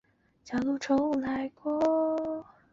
全购后淘宝中国将维持高鑫零售上市地位。